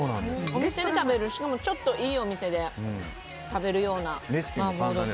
お店で食べるしかもちょっといいお店で漠ちゃんどう？